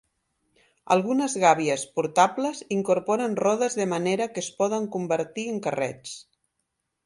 Algunes gàbies portables incorporen rodes de manera que es poden convertir en carrets.